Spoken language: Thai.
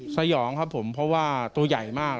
สยองครับผมเพราะว่าตัวใหญ่มาก